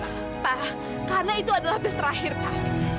pak karena itu adalah tes terakhir pak